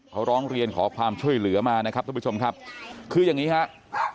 เขาร้องเรียนขอความช่วยเหลือมานะครับทุกผู้ชมครับคืออย่างนี้ครับ